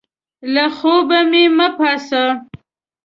له خوبه مې مه باسه!